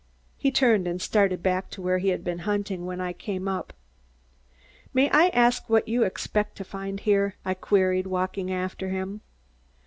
He turned and started back to where he had been hunting when I came up. "May I ask what you expect to find here?" I queried, walking after him.